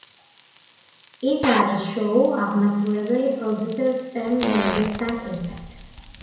ის არის შოუს აღმასრულებელი პროდიუსერ სემ მენდესთან ერთად.